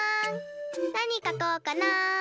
なにかこうかな？